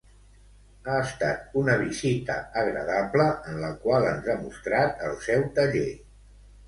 Ha estat una visita agradable en la qual ens ha mostrat el seu taller.